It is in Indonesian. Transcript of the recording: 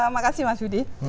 makasih mas yudi